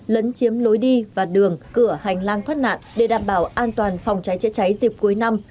lấn chiếm lối đi và đường cửa hành lang thoát nạn để đảm bảo an toàn phòng cháy chữa cháy dịp cuối năm